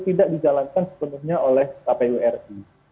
tidak dijalankan sepenuhnya oleh kpu ri